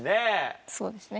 そうですね。